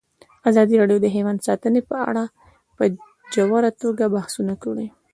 ازادي راډیو د حیوان ساتنه په اړه په ژوره توګه بحثونه کړي.